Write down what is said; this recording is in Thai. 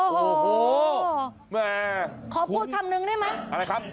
โอ้โหแม่ขอพูดคำนึงได้ไหมอะไรครับ